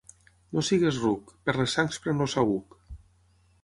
No siguis ruc: per les sangs pren el saüc.